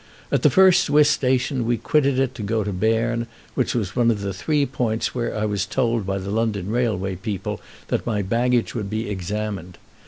At the first Swiss station we quitted it to go to Berne, which was one of the three points where I was told by the London railway people that my baggage would be examined.